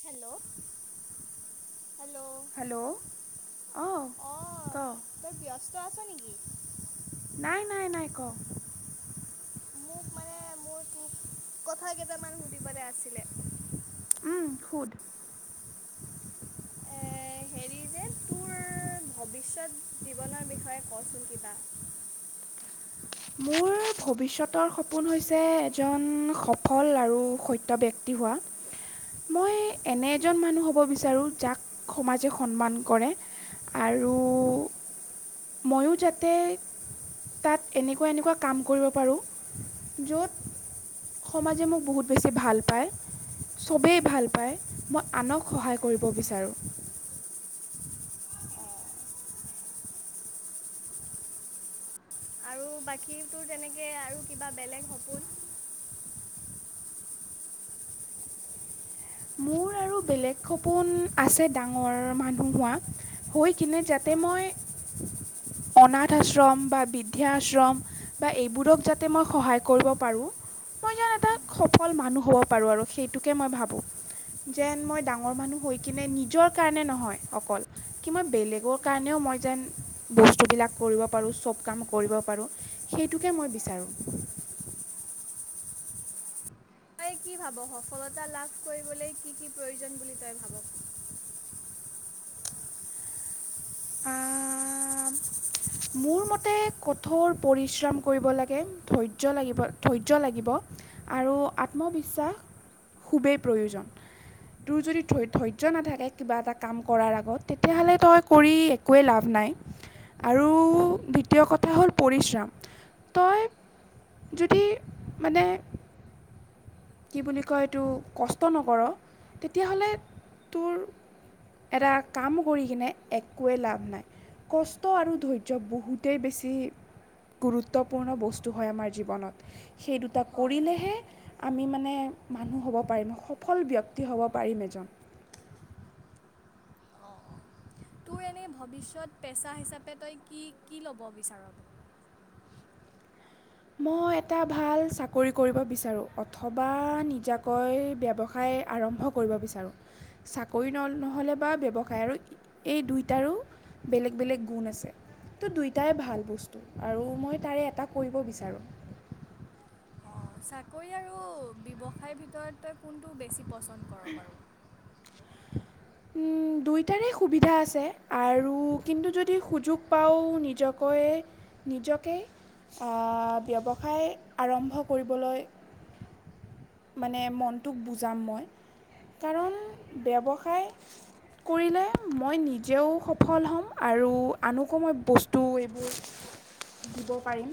Hello, hello. Hello অঁ, ক অঁ তই, ব্যস্ত আছ নিকি? নাই, নাই, নাই ক। মোক মানে মোৰ তোক কথা কেইটামান সুধিবলে আছিলে। উম, সোধ এ হেৰি যে তোৰ ভৱিষ্যত জীৱনৰ বিষয়ে কচোন কিবা মোৰ ভৱিষ্যতৰ সপোন হৈছে এজন সফল আৰু সত্যব্যক্ তি হোৱা মই এনে এজন মানুহ হ'ব বিচাৰোঁ যাক সমাজে সন্মান কৰে আৰু ময়ো যাতে তাত এনেকুৱা এনেকুৱা কাম কৰিব পাৰোঁ য'ত সমাজে মোক বহুত বেছি ভাল পায় চবেই ভাল পায় মই আনক সহায় কৰিব বিচাৰোঁ অঁ আৰু বাকী তোৰ তেনেকে আৰু কিবা বেলেগ সপোন মোৰ আৰু বেলেগ সপোন আছে ডাঙৰ মানুহ হোৱা হৈ কিনে যাতে হয় মই অনাথ আশ্ৰম বা বৃদ্ধা আশ্ৰম বা এইবোৰক যাতে মই সহায় কৰিব পাৰোঁ মই যেন এটা সফল মানুহ হ'ব পাৰোঁ আৰু সেইটোকে মই ভাবোঁ। যেন মই ডাঙৰ মানুহ হৈ কিনে নিজৰ কাৰণে নহয় অকল কিমান বেলেগৰ অঁ। কাৰণেও মই যেন বস্তুবিলাক কৰিব পাৰোঁ, চব কাম কৰিব পাৰোঁ সেইটোকে মই বিচাৰোঁ। তই কি ভাব? সফলতা লাভ কৰিবলৈ কি কি প্ৰয়োজন বুলি তই ভাব? অ মোৰ মতে কঠোৰ পৰিশ্ৰম কৰিব লাগে ধৈৰ্য্য লাগিব, ধৈৰ্য লাগিব আৰু আত্মবিশ্বাস খুবেই প্ৰয়োজন। তোৰ যদি ধৈ ধৈৰ্য্য নাথাকে কিবা এটা কাম কৰাৰ আগত তেতিয়াহ'লে তই কৰি একোৱেই লাভ নাই। আৰু দ্বিতীয় কথা হ'ল পৰিশ্ৰম, তই যদি মানে কি বুলি কয় এইটো কষ্ট নকৰ তেতিয়াহ'লে তোৰ এটা কাম কৰি কিনে একোৱেই লাভ নাই। কষ্ট আৰু ধৈৰ্য বহুতেই বেছি গুৰুত্বপূৰ্ণ বস্তু হয় আমাৰ জীৱনত সেই দুটা হয় হয় কৰিলেহে হয়। আমি মানে মানুহ হ'ব পাৰিম, সফল ব্যক্তি হ'ব পাৰিম এজন। অ অ, তোৰ এনেই ভৱিষ্যত পেচা হিচাপে তই কি কি ল'ব বিচাৰ মোক? মই এটা ভাল চাকৰি কৰিব বিচাৰোঁ অথবা নিজাকৈ ব্যৱসায় আৰম্ভ কৰিব বিচাৰোঁ, চাকৰি ন নহ'লে বা ব্যৱসায় আৰু ই এই দুইটাৰো বেলেগ - বেলেগ গুণ আছে। তোৰ দুইটাই ভাল বস্তু আৰু মই তাৰে এটা কৰিব বিচাৰোঁ। অঁ চাকৰি আৰু ব্যৱসায়ৰ ভিতৰত তই কোনটো বেছি পচন্দ কৰ বাৰু? [inaudible] উম, দুয়োটাৰে সুবিধা আছে আৰু কিন্তু যদি সুযোগ পাওঁ নিজকৈ নিজকে অ ব্যৱসায় আৰম্ভ কৰিবলৈ মানে মনটোক বুজাম মই কাৰণ ব্যৱসায় কৰিলে মই নিজেও সফল হ'ম আৰু আনকো মই বস্তু এইবোৰ [inaudible] দিব পাৰিম।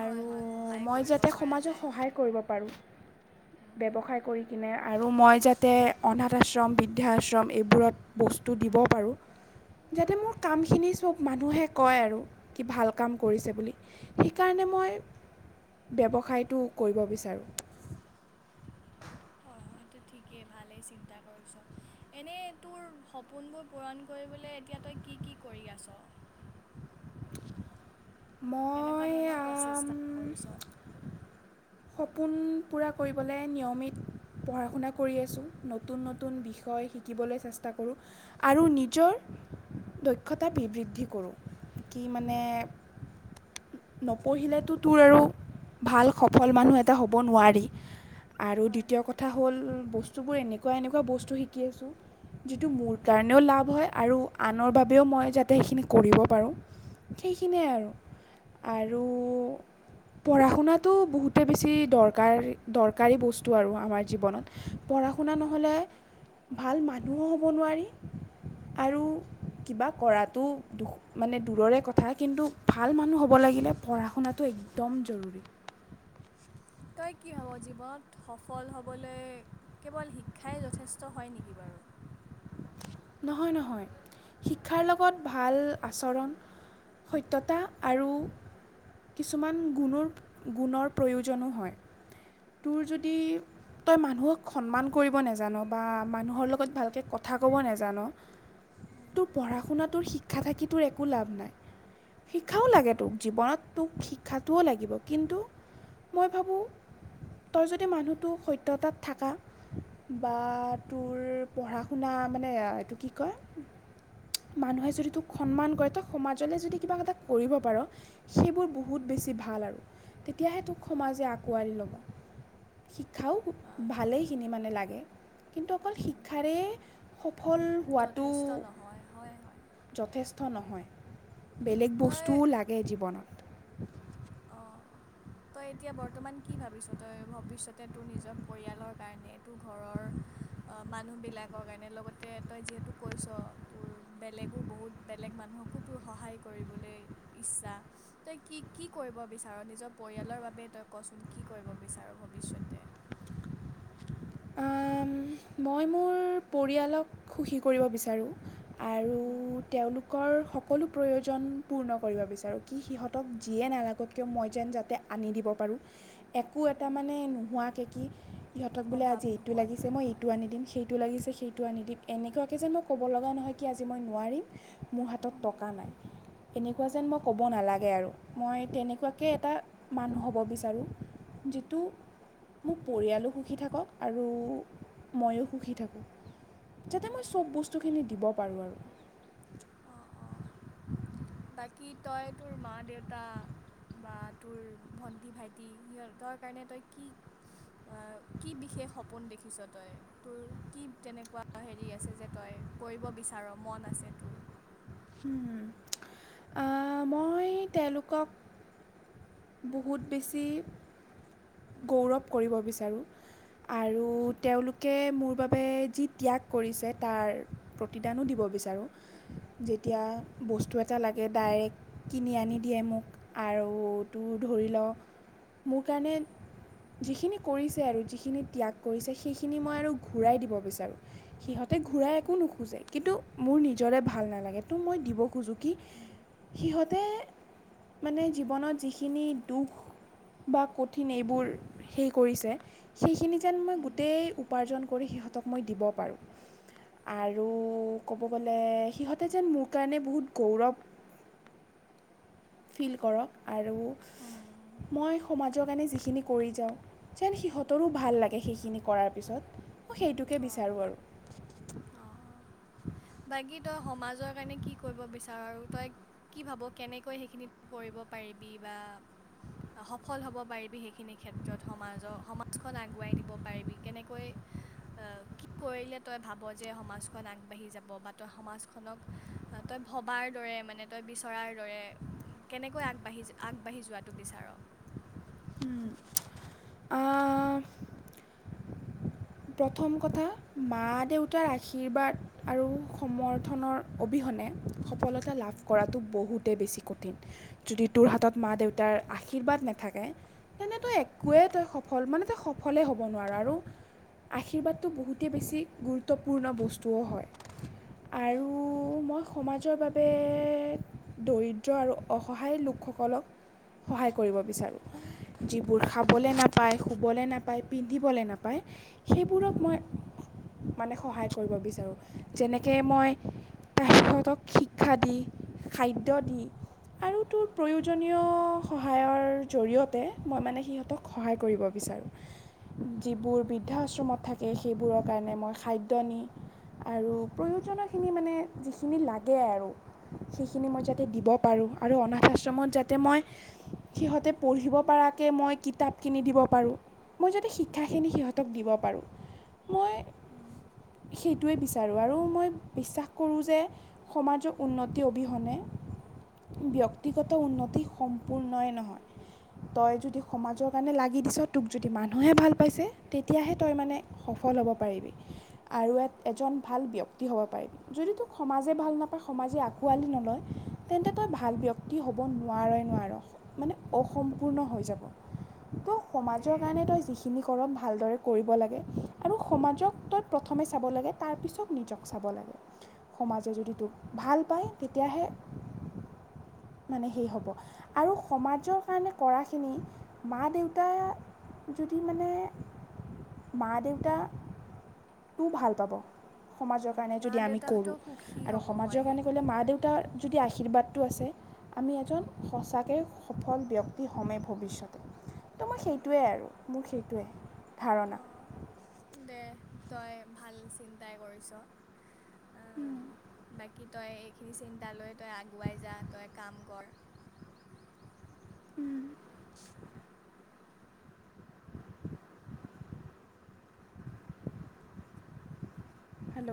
আৰু হয় হয় সহায় মই কৰিব যাতে পৰা সমাজক যায়। সহায় কৰিব পাৰোঁ, ব্যৱসায় কৰি কিনে আৰু মই যাতে অনাথ আশ্ৰম, বৃদ্ধা আশ্ৰম এইবোৰত বস্তু দিব পাৰোঁ। যাতে মোৰ কামখিনি চব মানুহে কয় আৰু কি ভাল কাম কৰিছে বুলি। সেইকাৰণে মই ব্যৱসায়টো কৰিব বিচাৰোঁ। হয় হয়তো ঠিকেই ভালেই চিন্তা কৰিছ। এনেই তোৰ সপোনবোৰ পূৰণ কৰিবলৈ এতিয়া তই কি কি কৰি আছ? ম কেনেকুৱা ধৰণৰ প্ৰচেষ্টা কৰিছোঁ? সপোন পূৰা কৰিবলৈ নিয়মিত পঢ়া - শুনা কৰি আছোঁ, নতুন নতুন বিষয় শিকিবলৈ চেষ্টা কৰোঁ। আৰু নিজৰ দক্ষতা বি বৃদ্ধি কৰোঁ কি মানে নপঢ়িলেতো তোৰ আৰু ভাল সফল মানুহ এটা হ'ব নোৱাৰি। আৰু হয়, দ্বিতীয় কথা হ'ল, বস্তুবোৰ এনেকুৱা এনেকুৱা বস্তু শিকি আছোঁ যিটো মোৰ কাৰণেও লাভ হয় আৰু আনৰ বাবেও মই যাতে সেইখিনি কৰিব পাৰোঁ। সেইখিনিয়ে আৰু। আৰু পঢ়া শুনাটো বহুতে বেছি দৰকাৰ, দৰকাৰী বস্তু আৰু আমাৰ জীৱনত। পঢ়া শুনা হয়, নহ'লে, ভাল মানুহো হ'ব নোৱাৰি। আৰু কিবা কৰাটো মানে দূৰৰে কথা কিন্তু ভাল মানুহ হ'ব। ব লাগিলে পঢ়া শুনাটো একদম জৰুৰী। তই কি ভাব, জীৱনত সফল হ'বলে কেৱল শিক্ষাই যথেষ্ট হয় নেকি বাৰু? নহয় নহয় শিক্ষাৰ লগত ভাল আচৰণ সত্যতা আৰু কিছুমান গুণৰ গুণৰ প্ৰয়োজনো হয়, তোৰ যদি তই মানুহক সন্মান কৰিব নাজান বা মানুহৰ লগত ভালকে ক কথা ক'ব নাজান। তোৰ পঢ়া শুনাটোৰ শিক্ষা থাকি তোৰ একো লাভ নাই। শিক্ষাও লাগে হয়, তোক, জীৱনত তোক উম। শিক্ষাটোও লাগিব, কিন্তু মই ভাবোঁ তই যদি মানুহটো সত্যতাত থাকা, বা তোৰ পঢ়া শুনা মানে এইটো কি কয় মানুহে যদি তোক সন্মান কৰে, তই সমাজলে যদি কিবা এটা কৰিব পাৰ। সেইবোৰ বহুত বেছি ভাল আৰু, তেতিয়াহে তোক সমাজে আঁকোৱালি ল'ব। শিক্ষাও হয়, হয়, ভালেইখিনি মানে লাগে, কিন্তু অকল শিক্ষাৰে সফল হোৱাটো যথেষ্ট নহয়, হয়, হয়। যথেষ্ট নহয়, উম, বেলেগ তই বস্তুও লাগে জীৱনত। অঁ। তই এতিয়া বৰ্তমান কি ভাবিছ, তই ভৱিষ্যতে তোৰ নিজৰ পৰিয়ালৰ কাৰণে তোৰ ঘৰৰ। অ মানুহ বিলাকৰ কাৰণে লগতে তই যিহেতু কৈছ, তোৰ বেলেগো বহুত বেলেগ মানুহ সহায় কৰিবলে ইচ্ছা, তই কি কি কি কৰিব বিচাৰ, নিজৰ পৰিয়ালৰ বাবে তই কচোন কি কৰিব বিচাৰ ভৱিষ্যতে? মই মোৰ পৰিয়ালক সুখী কৰিব বিচাৰোঁ। আৰু তেওঁলোকৰ সকলো প্ৰয়োজন পূৰ্ণ কৰিব বিচাৰোঁ। কি সিহঁতক যিয়ে নালাগক কিয়, মই যেন যাতে আনি দিব পাৰোঁ। একো এটা মানে নোহোৱাকে কি, সিহঁতক বোলে অভাৱ আজি এইটো লাগিছে, নোহোৱাকৈ মই হয় এইটো আনি দিম সেইটো লাগিছে সেইটো আনি দিম, এনেকুৱাকৈ যেন মই ক'ব লগা নহয় কি আজি মই নোৱাৰিম। মোৰ হাতত উম, টকা নাই। এনেকুৱা যেন মই ক'ব নালাগে আৰু, মই তেনেকুৱাকে এটা মানুহ হ'ব বিচাৰোঁ। যিটো মোৰ পৰিয়ালো সুখী থাকক। আৰু ময়ো সুখী থাকোঁ, যাতে মই চব বস্তুখিনি দিব পাৰোঁ আৰু। অ' অ' বাকী তই তোৰ মা দেউতা। বা তোৰ ভন্টি, ভাইটি সিহঁতৰ কাৰণে তই কি আ কি বিশেষ সপোন দেখিছ তই? তোৰ কি তেনেকুৱা হেৰি আছে যে, তই কৰিব বিচাৰ মন আছে তোৰ? হম' আ মই তেওঁলোকক বহুত বেছি গৌৰৱ কৰিব বিচাৰোঁ। আৰু তেওঁলোকে মোৰ বাবে যি ত্যাগ কৰিছে তাৰ প্ৰতিদানো দিব বিচাৰোঁ। যেতিয়া বস্তু এটা লাগে ডাইৰেক্ট কিনি আনি দিয়ে মোক আৰু। তোৰ ধৰি লওঁ মোৰ কাৰণে। যিখিনি কৰিছে আৰু যিখিনি ত্যাগ কৰিছে সেইখিনি মই আৰু ঘূৰাই দিব বিচাৰোঁ। সিহঁতে ঘূৰাই একো নোখোজে কিন্তু মোৰ নিজৰে ভাল নালাগে তো মই দিব খোজোঁ। কি সিহঁতে মানে জীৱনত যি। খিনি দুখ বা কঠিন এইবোৰ সেই কৰিছে সেইখিনি। যেন মই গোটেই উপাৰ্জন কৰি সিহঁতক মই দিব পাৰোঁ। আৰু ক'ব গ'লে সিহঁতে যেন মোৰ কাৰণে বহুত গৌৰৱ। ফিল কৰ আৰু অঁ মই সমাজৰ কাৰণে যিখিনি। কৰি যাওঁ যেন সিহঁতৰো ভাল লাগে সেইখিনি কৰাৰ পিছত মই সেইটোকে বিচাৰোঁ আৰু। অহ অ বাকী তই সমাজৰ কাৰণে কি কৰিব বিচাৰ আৰু তই। কি ভাৱ কেনেকৈ সেইখিনিত কৰিব পাৰিবি বা। অহ সফল হ'ব পাৰিবি সেইখিনি ক্ষেত্ৰত সমাজৰ সমাজখন আগুৱাই নিব পাৰিবি কেনেকৈ। অহ কি কৰিলে তই ভাৱ যে সমাজখন আগবাঢ়ি যাব বা তই সমাজখনক। তই ভবাৰ দৰে মানে তই বিচৰাৰ দৰে। কেনেকৈ আগবাঢ়ি যে আগবাঢ়ি যোৱাটো বিচাৰ। উম। অহ। প্ৰথম কথা মা দেউতাৰ আশীৰ্বাদ আৰু সমৰ্থনৰ অবিহনে। সফলতা লাভ কৰাটো বহুতেই বেছি কঠিন। যদি তোৰ হাতত মা দেউতাৰ আশীৰ্বাদ নাথাকে। তেন্তে তই একোৱে তই সফল মানে তই সফলে হ'ব নোৱাৰা আৰু। আশীৰ্বাদটো বহুতেই বেছি গুৰুত্বপূৰ্ণ বস্তুও হয়। আৰু মই সমাজৰ বাবে। দৰিদ্ৰ আৰু অসহায় লোকসকলক সহায় কৰিব বিচাৰোঁ। যিবোৰ খাবলে নাপায় শুবলে নাপায় পিন্ধিবলে নাপায়। সেইবোৰক মই মানে সহায় কৰিব বিচাৰোঁ যেনেকে মই। তাৰ সিহঁতক শিক্ষা দি খাদ্য দি। আৰু তোৰ প্ৰয়োজনীয় সহায়ৰ জৰিয়তে মই মানে সিহঁতক। সহায় কৰিব বিচাৰোঁ যিবোৰ বৃদ্ধাশ্ৰ। মত থাকে সেইবোৰৰ কাৰণে মই খাদ্য নি। আৰু প্ৰয়োজন খিনি মানে যিখিনি লাগে আৰু। সেইখিনি মই যাতে দিব পাৰোঁ আৰু অনাথ আশ্ৰমত যাতে মই। সিহঁতে পঢ়িব পাৰাকে মই কিতাপ কিনি দিব পাৰোঁ মই যদি‌‌ সি। শিক্ষা খিনি সিহঁতক দিব পাৰোঁ মই। সেইটোৱেই বিচাৰোঁ আৰু মই বিশ্বাস কৰোঁ যে সমাজৰ উন্নতি অবিহনে। ব্যক্তিগত উন্নতি সম্পূৰ্ণই নহয়। তই যদি সমাজৰ কাৰণে লাগি দিছ তোক যদি মানুহে ভাল পাইছে তেতিয়াহে। তই মানে সফল হ'ব পাৰিবি। আৰু এক এজন ভাল ব্যক্তি হ'ব পাৰি যদি তোক সমাজে ভাল নাপায় সমাজে আঁকোৱালি নলয়। তেন্তে তই ভাল উম, ব্যক্তি হ'ব নোৱাৰেই নোৱাৰেই মানে অসম্পূৰ্ণ হৈ যাব। ত' দে সমাজৰ কাৰণে তই যিখিনি কৰ ভালদৰে। কৰিব লাগে আৰু সমাজক তই প্ৰথমে চাব লাগে তাৰপিছত নিজক চাব লাগে। সমাজে যদি তোক ভাল পায় তেতিয়াহে মানে সেই হ'ব। আৰু সমাজৰ কাৰণে কৰাখিনি, মা দেউতা যদি মানে মা দেউতা তু ভাল পাব। সমাজৰ উম, কাৰণে মা যদি আমি কৰোঁ, দেউতাহঁতেও সুখী আৰু হ'ব হয় সমাজৰ কাৰণে সেইখিনি কৰিলে মা দেউতাৰ যদি আশীৰ্বাদটো আছে, আমি এজন উম, সঁচাকে সফল ব্যক্তি হমেই ভৱিষ্যতে, ত মই উম, সেইটোৱে আৰু মোৰ সেইটোৱেই। ধাৰণা অঁ দে তই ভাল চিন্তাই কৰিছ। বাকী তই এইখিনি চিন্তা লৈ তই আগুৱাই যা তই কাম কৰ। উম। হেল্ল।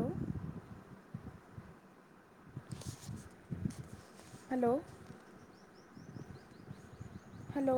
হেল্ল। হেল্ল।